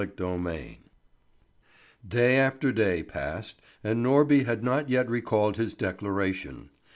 CHAPTER VI DAY after day passed, and Norby had not yet recalled his declaration.